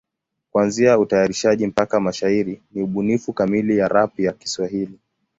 Kuanzia utayarishaji mpaka mashairi ni ubunifu kamili ya rap ya Kiswahili.